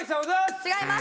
違います。